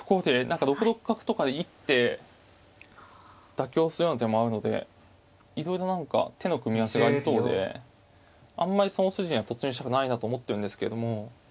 何か６六角とかで一手妥協するような手もあるのでいろいろ何か手の組み合わせがありそうであんまりその筋には突入したくないなと思ってるんですけども。